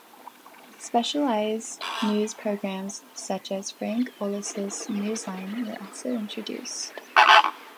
Specialized news programmes such as Frank Olise's Newsline were also introduced.